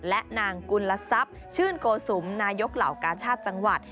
และนางกุลทรัพย์ชื่นโกสุมนายกเหล่ากาชาติจังหวัด